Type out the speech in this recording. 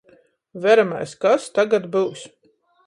Veramēs, kas tagad byus.